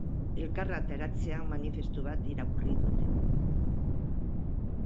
Elkarretaratzean manifestu bat irakurri dute.